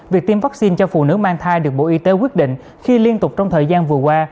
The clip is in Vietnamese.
việc tiêm vaccine cho phụ nữ mang thai được bộ y tế quyết định khi liên tục trong thời gian vừa qua